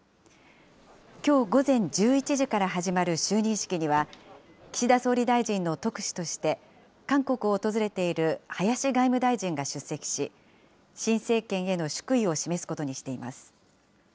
きょう午前１１時から始まる就任式には、岸田総理大臣の特使として、韓国を訪れている林外務大臣が出席し、新政権への祝意を示すことにしています。